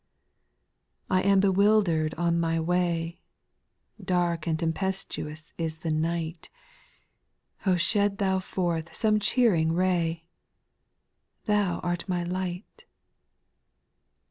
I am bewildered on my way ; Dark and tempestuous is the night : shed Thou forth some cheerii^g ray ;— Thou art my light.